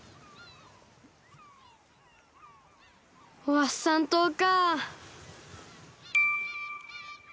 ワッサンとうか。